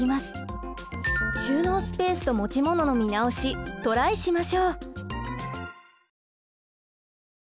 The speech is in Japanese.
収納スペースと持ち物の見直しトライしましょう！